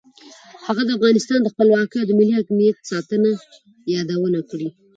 هغه د افغانستان د خپلواکۍ او ملي حاکمیت ساتنه یادونه کړې.